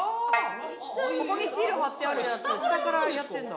ここにシール貼ってあるやつ下からやってるんだ。